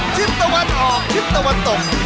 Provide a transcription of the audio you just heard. ชิ้นตะวันออกชิ้นตะวันตก